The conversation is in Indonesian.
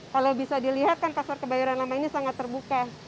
kalau bisa dilihat kan pasar kebayoran lama ini sangat terbuka